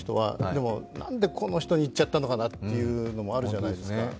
でもなんでこの人にいっちゃったのかなというのもあるじゃないですか。